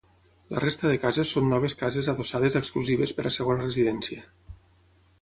La resta de cases són noves cases adossades exclusives per a segona residència.